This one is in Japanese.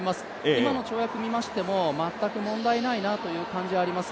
今の跳躍を見ましても全く問題ないなという感じがあります。